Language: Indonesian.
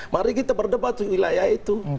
mari kita berdebat wilayah itu